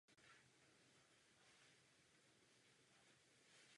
Původně pochází z Číny.